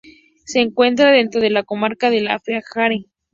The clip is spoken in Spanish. Se encuentra dentro de la comarca del Aljarafe.